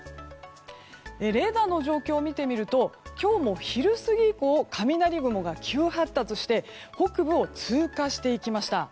レーダーの状況を見てみると今日の昼過ぎ以降雷雲が急発達して北部を通過していきました。